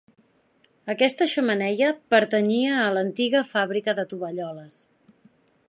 Aquesta xemeneia pertanyia a l'antiga fàbrica de tovalloles.